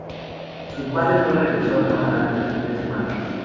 Su padre no regresó a trabajar durante tres semanas.